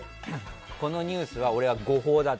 このニュースは俺は誤報だと。